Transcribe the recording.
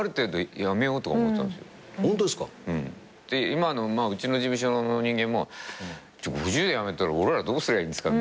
今のうちの事務所の人間も５０でやめたら俺らどうすりゃいいんですか？